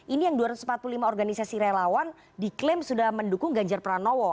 ini yang dua ratus empat puluh lima organisasi relawan diklaim sudah mendukung ganjar pranowo